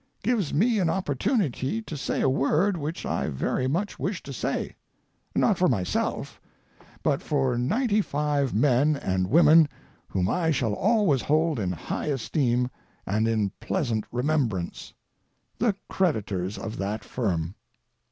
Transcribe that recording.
gives me an opportunity to say a word which I very much wish to say, not for myself, but for ninety five men and women whom I shall always hold in high esteem and in pleasant remembrance—the creditors of that firm.